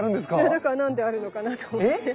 だから何であるのかなと思って。